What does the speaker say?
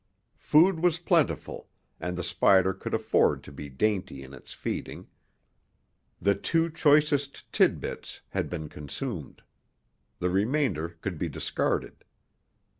Food was plentiful, and the spider could afford to be dainty in its feeding. The two choicest titbits had been consumed. The remainder could be discarded.